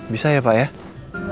bisa ya pak ya